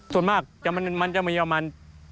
ส่วนมากมันจะมีประมาณ